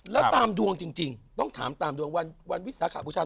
แล้วตามดวงจริงต้องถามตามดวงวันวิสาขบูชา